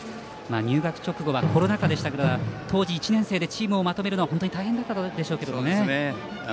入学直後はコロナ禍でしたから当時１年生でチームをまとめるのは大変だったでしょうね。